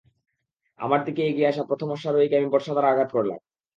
আমার দিকে এগিয়ে আসা প্রথম অশ্বারোহীকে আমি বর্শা দ্বারা আঘাত করলাম।